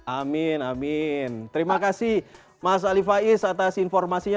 amin amin terima kasih mas ali faiz atas informasinya